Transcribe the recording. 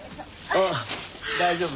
ああ大丈夫？